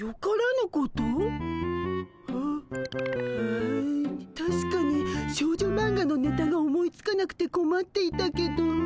あううたしかに少女マンガのネタが思いつかなくてこまっていたけど。